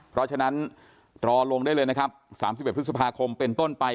เพราะฉะนั้นรอลงได้เลยนะครับ๓๑พฤษภาคมเป็นต้นไป